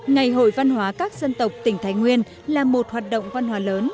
ngày hội văn hóa các dân tộc tỉnh thái nguyên là một hoạt động văn hóa lớn